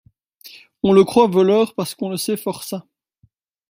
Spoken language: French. On le croit voleur parce qu’on le sait forçat.